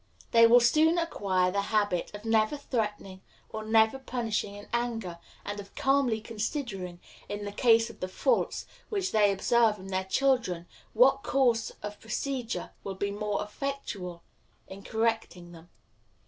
They will soon acquire the habit of never threatening, of never punishing in anger, and of calmly considering, in the case of the faults which they observe in their children, what course of procedure will be most effectual in correcting them.